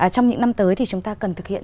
trong những năm tới thì chúng ta cần thực hiện